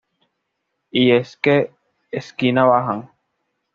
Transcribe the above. Y es que "¡Esquina bajan!